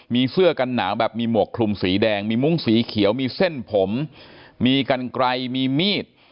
มีเสื้อกันหนาวแบบมีหมวกคลุมสีแดงมีมุ้งสีเขียวมีเส้นผมมีกันไกลมีมีด